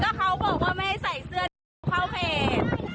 แล้วเขาบอกว่าไม่ให้ใส่เสื้อเขาแผน